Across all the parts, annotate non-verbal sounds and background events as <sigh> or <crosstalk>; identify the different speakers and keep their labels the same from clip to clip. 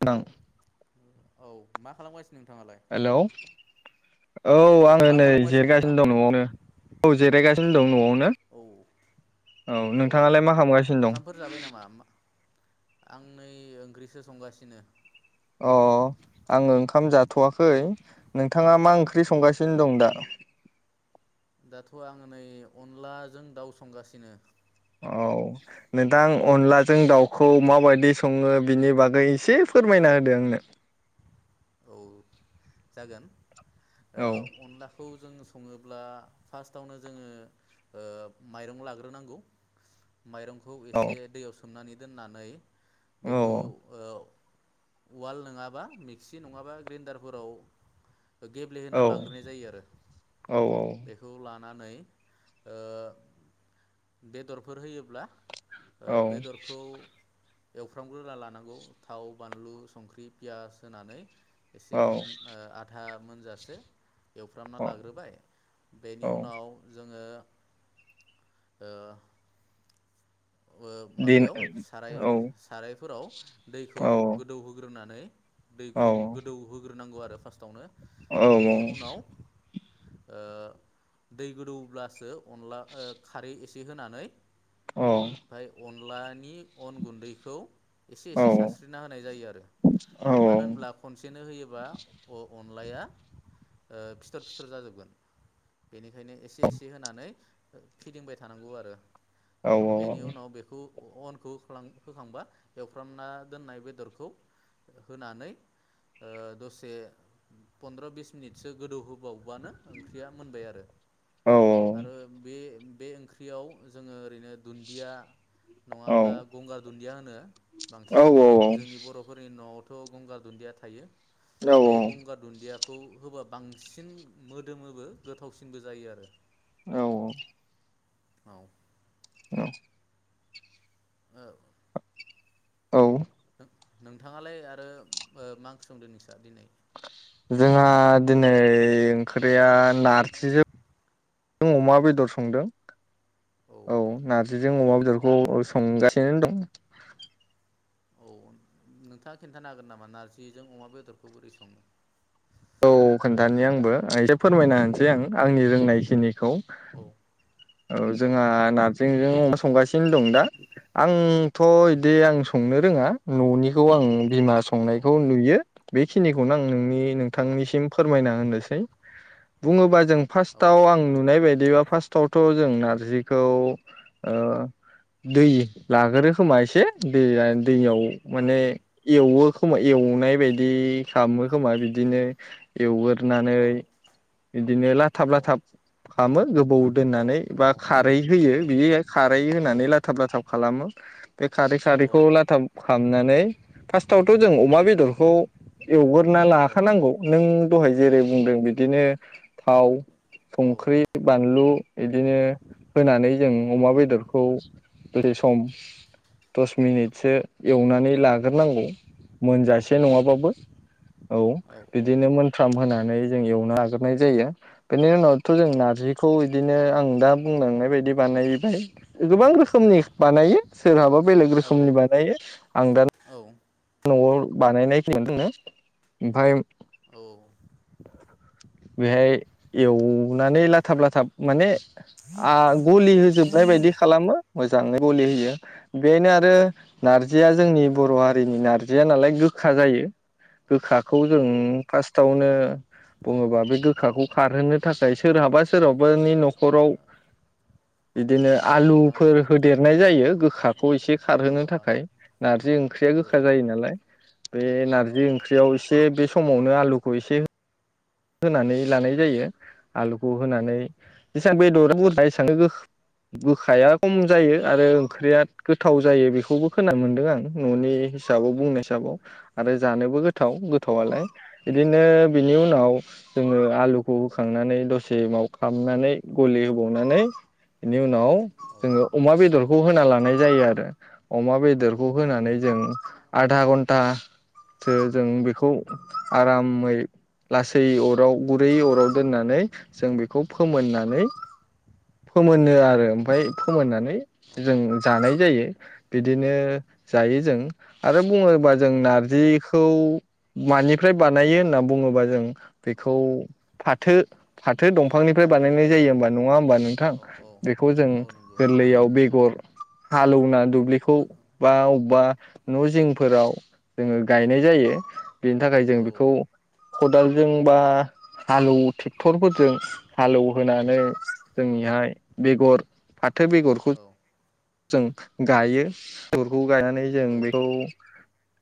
Speaker 1: हेल'
Speaker 2: नोंथां
Speaker 1: औ मा खालाम गासि
Speaker 2: हेल' औ आङो
Speaker 1: मा
Speaker 2: नै जिराय
Speaker 1: खालामगासिनो नोंथां
Speaker 2: गासिनो दं न'आवनो औ जिराय गासिनो दं न'आवनो
Speaker 1: औ
Speaker 2: औ नोंथाङा लाय मा खालाम गासिनो दं?
Speaker 1: ओंखामफोर जाबाय नामा आं नै ओंख्रिसो संगासिनो
Speaker 2: अ आङो ओंखाम जाथ'वाखै। नोंथाङा मा ओंख्रि
Speaker 1: औ
Speaker 2: संगासिनो दं दा?
Speaker 1: दाथ' आङो नै अन लाजों दाउ संगासिनो।
Speaker 2: औ नोंथां अनलाजों दाउखौ माबायदि सङो बिनि बागै एसे फोरमायना होदों आंनो।
Speaker 1: औ जागोन। ओ अनलाखौ जों सङोब्ला फार्स्ट आवनो जोङो ओ माइरं लाग्रोनांगौ। माइरंखौ
Speaker 2: औ
Speaker 1: एसे दैयाव सो सोमनानै दोननानै बेखौ ओ उवाल नङाबा मि मिक्सि नङाबा ग्रेन्दार फोराव
Speaker 2: औ
Speaker 1: गेब्लेहोना लाग्रोनाय जायो आरो
Speaker 2: औ
Speaker 1: बेखौ लाना नानै ओ बेदर फोर होयोब्ला ओ
Speaker 2: औ
Speaker 1: बेदरखौ एवफ्राम ग्रोना लानांगौ थाव, बानलु, संख्रि, पियास होनानै
Speaker 2: औ
Speaker 1: एसे मोन ओ आधा मोनजासे एवफ्रामना
Speaker 2: औ
Speaker 1: लाग्रोबाय बेनि
Speaker 2: औ
Speaker 1: उनाव जोङो ओ ओ
Speaker 2: दिन
Speaker 1: माबायाव साराय
Speaker 2: औ
Speaker 1: साराय फोराव दैखौ
Speaker 2: औ
Speaker 1: गोदौहोग्रो नानै दै
Speaker 2: औ
Speaker 1: गुदुं गोदौ होग्रो होनांगौ आरो फार्स्ट आवनो।
Speaker 2: औ औ।
Speaker 1: ओदै गोदौ ब्लासो अनला ओ खारै एसे दि होनानै ओमफ्राय अन अनलानि अन गुन्दैखौ एसे एसे सारस्रिना होनाय जायो आरो।
Speaker 2: औ
Speaker 1: मानो होनब्ला खनसेनो होयोबा अ अन अनलाया ओ फिथर फिथर जाजोबगोन। बेनिखायनो एसे एसे होनानै फिदिंबाय थानांगौ आरो
Speaker 2: औ
Speaker 1: बेनि
Speaker 2: औ
Speaker 1: उनाव बेखौ अनखौ होफ्लां होखांबा एवफ्रामना दोननाय बेदरखौ होनानै ओ दसे पनन्द्र' बिस मिनितसो गोदौहो बावबानो ओंख्रिया मोनबाय आरो
Speaker 2: औ
Speaker 1: आरो बे बे ओंख्रियाव जोङो ओरैनो दुन्दिया नङाब्ला गंगार दुन्दिया होनो बांसिन जोंनि बर'फोरनि न' थ' गंगार दुन्दिया थायो। बे
Speaker 2: औ
Speaker 1: गंगार दुन्दिया खौ होबा बांसिन मोदोमोबो गोथावसिनबो जायो आरो।
Speaker 2: औ औ
Speaker 1: औ
Speaker 2: <inaudible>
Speaker 1: ओ
Speaker 2: औ
Speaker 1: नोंथाङालाय आरो ओ मा ओंख्रि संदों नों
Speaker 2: जोंहा दिनै ओंख्रिया नारजिजों अमा बेदर संदों। औ नारजिजों अमा बेदरखौ
Speaker 1: नार
Speaker 2: संगा जेन दं
Speaker 1: औ नोंथाङा खिन्थानो हागोन नामा नारजिजों अमा बेदरखौ बोरै संङो?
Speaker 2: औ खोन्थानि आंबो एसे फोरमायना होनसै आं। आंनि
Speaker 1: औ
Speaker 2: रोंनायखिनिखौ
Speaker 1: औ
Speaker 2: औ जोंहा नारजिजों अमा संगासिनो दं दा आं थ' इदि आं संनो रोङा न'निखौ आं बिमा
Speaker 1: औ
Speaker 2: संनायखौ नुयो। बे खिनिखौनो आं नोंनि
Speaker 1: औ
Speaker 2: नोंथांनिसिम फोरमायना होनो सै बुङोबा जों
Speaker 1: औ
Speaker 2: फार्स्टआव आं नुनाय बायदिबा फार्स्टआवथ' जों नारजिखौ ओ दै लाग्रोयो खोमा एसे दै दैयाव माने एवो खोमा एवनाय बायदि खालामो खोमा बि दिनो एवो एवनानै
Speaker 1: औ
Speaker 2: बिदिनो
Speaker 1: औ
Speaker 2: लाथाब-लाथाब खामो। गोबाव
Speaker 1: औ
Speaker 2: दोननानै बा खारै होयो बिदिहाय खारै होनानै लाथाब-लाथाब खालामो बे खारै-खारैखौ लाथाब खालामनानै फार्स्टावथ' जों अमा बेदरखौ एवगोरोना ला नों दहाय जेरै बुंदों बि दिनो थाव संख्रि बानलु इदिनो होनानै जों अमा बेदरखौ बे सम दस मिनिटसो एवनानै लाग्रोनांगौ मोनजासे नङाबाबो औ बिदिनो मोनफ्राम होना नै जों एवनो हागोरनाय जायो बेनि उनाव थ जों नारजिखौ बिदिनो आं दा बुंलांनाय बायदि बानायबाय गोबां रोखोमनि बानायो सोरहाबा बेलेग रोखोमनि बानायो आं दा
Speaker 1: औ
Speaker 2: न'आव बानायनाय एखेयानो दोंङो ओमफाय
Speaker 1: औ
Speaker 2: बेहाय एवनानै लाथाब-लाथाब माने आ गुलि होजोबनाय बायदि खालामो। मोजाङै गुलि होयो बेनो आरो नारजिया जोंनि बर' हारिनि नारजिया नालाय गोखा जायो। गोखाखौ
Speaker 1: औ
Speaker 2: जों फार्स्टआवनो ओ बुंङोबा बे गोखाखौ खारहोनो थाखाय सोरहाबा सोरहाबानि न'खराव बिदिनो
Speaker 1: रुख'ना गारो नङा होमबा
Speaker 2: आलुफोर होदेरनाय जायो गोखाखौ एसे
Speaker 1: औ
Speaker 2: खारहोनो थाखाय नारजि ओंख्रिया
Speaker 1: औ
Speaker 2: गोखा
Speaker 1: औ
Speaker 2: जायो नालाय बे
Speaker 1: औ
Speaker 2: नारजि ओंख्रियाव एसे बे समावनो आलुखौ एसे होनानै लानाय जायो आलुखौ
Speaker 1: औ
Speaker 2: होनानै जेसेबां बेदर बुरजायसां गो-गोखाया खम जायो आरो ओंख्रिया गोथाव जायो बेखौबो खोनानो मोनदों आं न'नि हिसाबाव बुंनाय हिसाबाव आरो जानोबो गो थाव-गोथावलाय बिदिनो बिनि उनाव जोंङो आलुखौ होखांनानै दसे माबाखालामनानै गलि होबावनानै बेनि उनाव जोंङो अमा बेदर खौ होना लानाय जायो आरो अमा बेदर बेदरखौ होनानै जों आधा घन्टासो जों बेखौ आरामै लासै यै अराव गुरै अराव दोननानै जों बेखौ फोमोननानै फोमोनो आरो। ओमफाय फोमायनानै
Speaker 1: औ
Speaker 2: जों जानाय जायो
Speaker 1: जायो
Speaker 2: बिदिनो जायो जों आरो बुंङोबा जों
Speaker 1: औ
Speaker 2: नारजिखौ मानिफ्राय बानायो होनना बुंङोबा जों बेखौ फाथो फा थो दंफांनिफ्राय
Speaker 1: फाथो
Speaker 2: बानायनाय
Speaker 1: बिलाइ औ
Speaker 2: जायो होमबा नंङा होमबा नोंथां
Speaker 1: औ औ
Speaker 2: बेखौ जों
Speaker 1: औ नंगौ नंगौ
Speaker 2: गोरलैयाव बेगर हालौना दु ब्लिखौ
Speaker 1: फो
Speaker 2: बा अबबा न जिंफोराव जोंङो गायनाय जायो। बेनि थाखाय जों
Speaker 1: औ
Speaker 2: बेखौ खदालजों जों बा हालुवो ट्रेक्टरफोरजों हालौ
Speaker 1: औ
Speaker 2: होनानै जोंनिहाय बेगर फाथो बेगरखौ जों गायो बेफोरखौ गायनानै जों बेखौ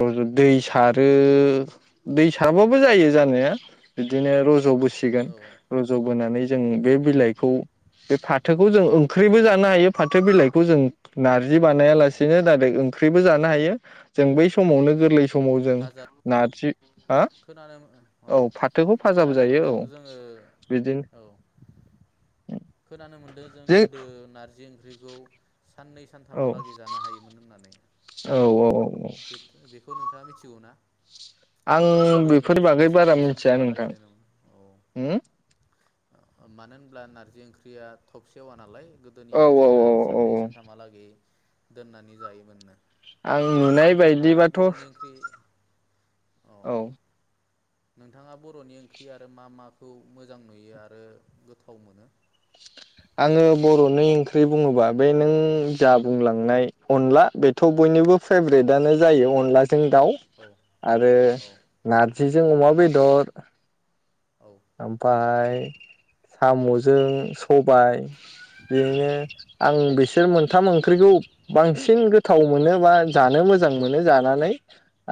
Speaker 2: जों दै सारो दै साराबाबो जायो जानाया। बिदिनो रज'बोसिगोन
Speaker 1: औ
Speaker 2: रज'बोनानै जों बे बिलाइखौ बे फाथोखौ जों ओंख्रिबो जानो हायो फाथो बिलाइखौ जों नार जि बानाया
Speaker 1: औ
Speaker 2: लासि <unintelligible> ओंख्रिबो जानो हायो जों बै समावनो गोरलै समाव जों
Speaker 1: भाजा उम
Speaker 2: नारजि हा
Speaker 1: खोनानो
Speaker 2: औ फाथोखौ फाजाबो
Speaker 1: खोनानो
Speaker 2: जायो
Speaker 1: मोनदों
Speaker 2: औ
Speaker 1: जोङो
Speaker 2: बिदिनो
Speaker 1: औ
Speaker 2: उम
Speaker 1: खोनानो मोनदों जों गोदो नारजि ओंख्रि खौ साननै सानथामहालागै जानो हायोमोन होननानै।
Speaker 2: औ औ औ औ।
Speaker 1: थाङा मिथिगौ ना?
Speaker 2: आं
Speaker 1: गोदोनि
Speaker 2: बेफोरनि
Speaker 1: मानसिफोरा
Speaker 2: बागै बारा
Speaker 1: साननै
Speaker 2: मिथिया
Speaker 1: सानथामा लागि
Speaker 2: नोंथां
Speaker 1: दोनोमोन
Speaker 2: उम
Speaker 1: मानो होनब्ला नारजि ओं ख्रिया थब सेवा नालाय। गोदोनि
Speaker 2: औ औ
Speaker 1: मानसिफोरा
Speaker 2: औ औ औ
Speaker 1: साननै सानथामहालागै दोननानै जायोमोननो
Speaker 2: आं
Speaker 1: आरो
Speaker 2: नुनाय
Speaker 1: नोंथाङा
Speaker 2: बायदिबाथ'
Speaker 1: बर'नि ओंख्रि
Speaker 2: औ
Speaker 1: नोंथाङा बर'नि ओंख्रि आरो मा माखौ मोजां नुयो आरो गोथाव मोनो
Speaker 2: आङो बर'नि ओंख्रि बुङोबा बे नों जा बुंलांनाय अनला बेथ' बयनिबो फेभ्रेटआनो जायो अनला जों दाउ
Speaker 1: औ
Speaker 2: आरो
Speaker 1: औ
Speaker 2: ना जेजों अमा बेदर
Speaker 1: औ
Speaker 2: ओमफ्राय साम'जों सबाय
Speaker 1: औ
Speaker 2: बेनो आं बेसे बिसोर मोनथाम ओंख्रिखौ बांसिन गोथाव मोनो बा जानो मोजां मोनो जानानै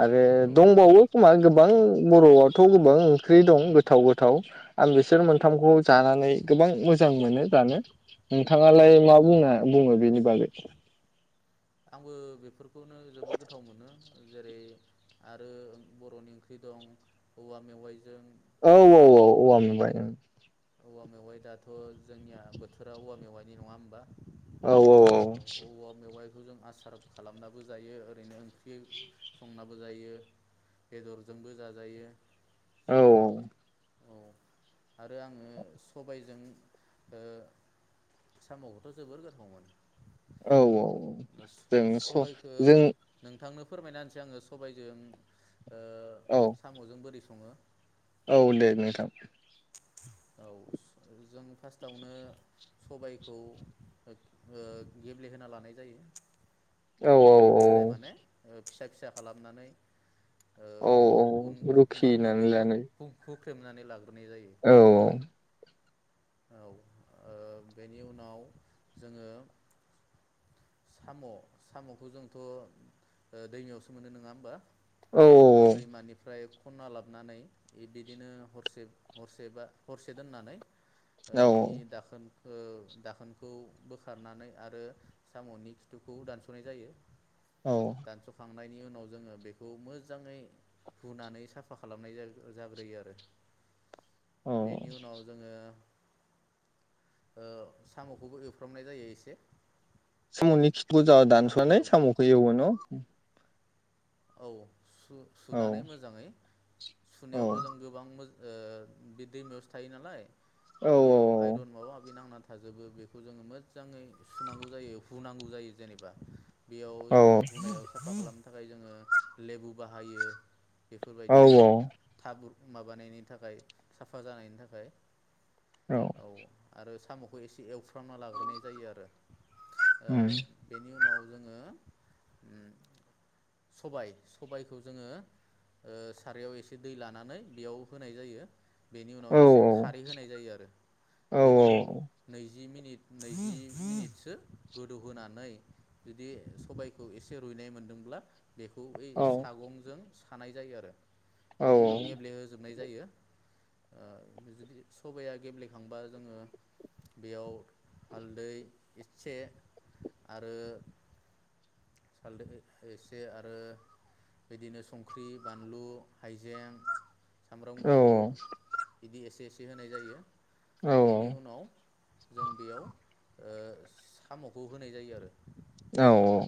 Speaker 2: आरो
Speaker 1: औ
Speaker 2: दंबावो खोमा गो गोबां बर'आथ' गोबां ओंख्रि दं
Speaker 1: उम
Speaker 2: गोथाव गोथाव गोथाव आं बिसोर
Speaker 1: औ
Speaker 2: मोनथामखौ जानानै गोबां मोजां मोनो जानो
Speaker 1: औ
Speaker 2: नोंथाङालाय मा बुंङो बुङो बेनि बागै
Speaker 1: आंबो बेफोरखौनो जोबोद गोथाव मोनो जेरै आरो बर'नि ओंख्रि दं औवा मेवाइ
Speaker 2: औ औ औ औवा मेउआय औ
Speaker 1: औवा मेवाइ दाथ' जोंनिया बोथोरा औवा मेवाइनि नङा होमबा
Speaker 2: औ औ औ
Speaker 1: बेखौ जों आसार खालामनाबो जायो ओरैनो ओंख्रि संनाबो जायो बेदरजोंबो जाजायो।
Speaker 2: औ औ
Speaker 1: औ आरो आङो सबायजों ओ साम'खौथ' जोबोर गोथाव मोनो।
Speaker 2: औ औ जों स'
Speaker 1: सबायखौ
Speaker 2: जों
Speaker 1: नोंथांनो फोरमायना होनसै आङो सबायजों ओ
Speaker 2: औ
Speaker 1: साम'जों बोरै सं संङो
Speaker 2: औ दे नोंथां
Speaker 1: औ जों फार्स्टआवनो सबायखौ ओ गेब्लेहोना लानाय जायो
Speaker 2: औ औ औ
Speaker 1: गेब्लेहोनाय माने ओ फिसा फिसा खालामनानै
Speaker 2: औ
Speaker 1: उन मा होनो
Speaker 2: रुखिनानै
Speaker 1: बेखौ
Speaker 2: लानाय
Speaker 1: हुंखुं ख्रेमनानै लागोन
Speaker 2: औ
Speaker 1: औ बेनि उनाव जोंङो साम सामखौ जोंथ दैमायावसो मोनो नङा होमबा।
Speaker 2: औ
Speaker 1: दैमानिफ्राय खनना लाबोनानै बिदिनो हरसे हरसे बा हरसे दोननानै
Speaker 2: औ
Speaker 1: बेनि दाखोन दाखोनखौ बोखारनानै आरो। सामनि खिथुखौ दानसनाय जायो।
Speaker 2: औ।
Speaker 1: बिनि उनाव जोंङो मोजांङै साफा खालामनाय जाग्रोयो आरो।
Speaker 2: औ
Speaker 1: बेनि उनाव जोंङो। सामखौबो एवफ्रामनाय जायो एसे
Speaker 2: सामनि- खिथुखौ
Speaker 1: साम'खौ
Speaker 2: दानसनानै सामखौ एवोना
Speaker 1: औ।
Speaker 2: औ
Speaker 1: सुनानै मोजांङै
Speaker 2: औ
Speaker 1: सुनायावथ' जों गोबां। बे दैमायावसो थायो नालाय।
Speaker 2: औ
Speaker 1: बेयाव आइरन माबा माबि नांना थायो। थाजोबो बेखौ जोंङो मोजांङै सुनांगौ जायो हुनांगौ जायो जेनेबा- बेयाव
Speaker 2: औ
Speaker 1: जोंङो हुनायाव साफा खालाम। थाखाय जोंङो लेबु बाहायो
Speaker 2: औ
Speaker 1: बेफोरबायदिनो। माबानायनि थाखाय साफा जानायनि थाखाय औ आरो सामखौ एसे एवस्रोना एवफ्रामना लाग्रोनाय जायो आरो बेनि उनाव जोंङो सबाय सबायखौ जोंङो सारायाव एसे दै लानानै बेयाव होनाय जायो। बेनि उनाव एसे खारै होनाय जायो आरो बेखौ
Speaker 2: औ
Speaker 1: नै जि मिनिट नैजि मिनिटसो गोदौहोनानै जुदि सबायखौ एसे रुइनाय मोनदोंब्ला। बेखौ बै सागंजों सानाय जायो आरो।
Speaker 2: औ
Speaker 1: बेनि उनाव गेब्लेहोजोबनाय जायो। ओ बिदिनो जुदि सबाया गेब्लेखांबा जोंङो बेयाव हालदै एसे आरो हालदै। जे आरो बिदिनो संख्रि बानलु हाइजें। सामब्रामगुफुर बिदि एसे एसे बे होनाय जायो।
Speaker 2: औ
Speaker 1: बेनि उनाव जों बेयाव ओह सामखौ होनाय जायो आरो।
Speaker 2: औ औ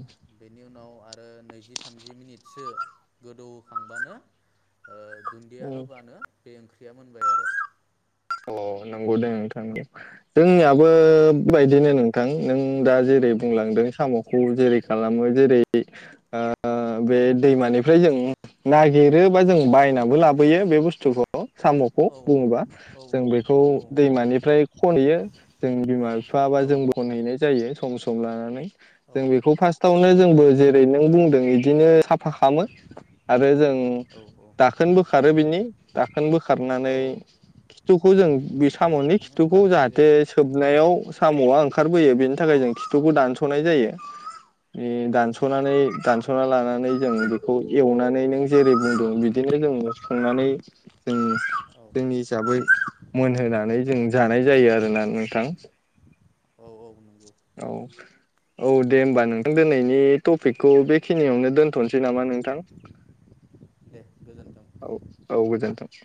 Speaker 1: नि उनाव आथ ओह नैजि थामजि मिनिटसो गोदौखांबानो ओह दुन्दिया
Speaker 2: नंगौ
Speaker 1: होबानो बे ओंख्रि ख्रिया मोनबाय आरो।
Speaker 2: औ औ नंगौ दे नोंथां। जोंनियाबो बे
Speaker 1: औ
Speaker 2: बादिनो नोंथां नों दा जेरै बुंलांदों सामख खौ जेरै खालामो जेरै ओ ओ बे दैमानिफ्राय जों नागिरो बा जों बायनाबो लाबोयो बे बुस्थुखौ। सामखौ
Speaker 1: औ
Speaker 2: बुङोबा
Speaker 1: औ
Speaker 2: जों बेखौ दैमानिफ्राय खनहैयो जों बिमा बिफा बा जोंबो खनहैनाय जायो। सम सम लानानै जों बेखौ फार्स्टआवनो जोंबो जेरै नों बुंदों बिदिनो साफा खालामो आरो जों
Speaker 1: औ
Speaker 2: दाखोन बोखारो बिनि दाखोन
Speaker 1: औ
Speaker 2: बोखारनानै खिथुखौ जों बे सामनि खिथुखौ
Speaker 1: दानस'नाय
Speaker 2: जाहाथे
Speaker 1: जायो
Speaker 2: सोबनायाव सामआ ओंखा ओंखारबोयो बेनि थाखाय जों खिथुखौ दानसनाय जायो। ए
Speaker 1: औ
Speaker 2: दानसनानै दानस सना लानानै जों बेखौ एवनानै नों जेरै बुंदों बिदिनो जों संनानै जों
Speaker 1: औ
Speaker 2: जोंनि हिसाबै मोनहोनानै जों जानाय जायो आरोना नोंथां।
Speaker 1: औ औ नंगौ।
Speaker 2: औ। औ दे होमबा नोंथां दिनैनि टपिकखौ बे खिनियावनो दोनथनोसै नामा नोंथां
Speaker 1: दे गोजोन्थों
Speaker 2: औ औ गोजोनथों। <inaudible>